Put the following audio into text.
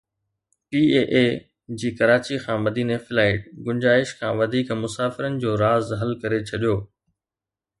P I A جي ڪراچي کان مديني فلائيٽ گنجائش کان وڌيڪ مسافرن جو راز حل ڪري ڇڏيو